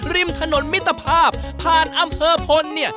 ริมถนนมิตรภาพผ่านอำเภอพลเนี่ย